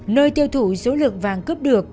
nơi tiêu thủ số lượng vàng cướp được